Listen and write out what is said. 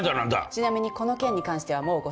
ちなみにこの件に関してはもうご心配なく。